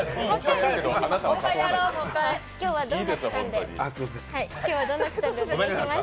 今日はドーナツさんでお願いします。